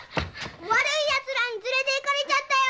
悪いやつらに連れて行かれちゃったよ！